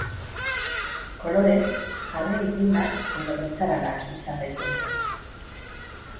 Kolorez arre ilunak edo beltzaranak izan daitezke.